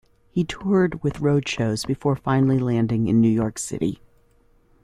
He toured with road shows before finally landing in New York City.